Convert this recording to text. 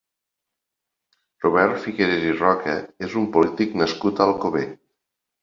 Robert Figueras i Roca és un polític nascut a Alcover.